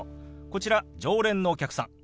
こちら常連のお客さん。